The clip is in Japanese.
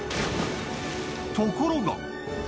ところが。